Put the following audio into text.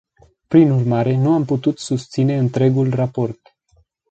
Prin urmare, nu am putut susține întregul raport.